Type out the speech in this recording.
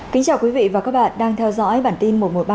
cảm ơn các bạn đã theo dõi